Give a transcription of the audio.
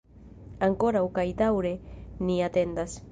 Ankoraŭ kaj daŭre ni atendas.